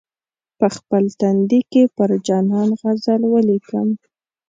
په خپل تندي کې پر جانان غزل ولیکم.